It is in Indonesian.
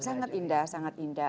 sangat indah sangat indah